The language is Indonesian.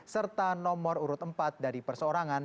serta nomor urut empat dari perseorangan